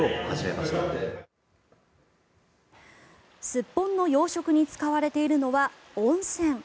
スッポンの養殖に使われているのは温泉。